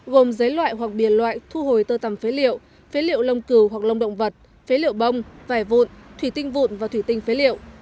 gồm giấy loại hoặc biển loại thu hồi tơ tầm phế liệu phế liệu lông cừu hoặc lông động vật phế liệu bông vải vụn thủy tinh vụn và thủy tinh phế liệu